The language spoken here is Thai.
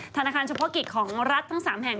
ธนาคารเฉพาะกิจของรัฐทั้ง๓แห่ง